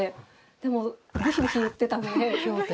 でもブヒブヒ言ってたので。